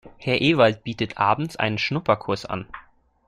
Herr Ewald bietet abends einen Schnupperkurs an.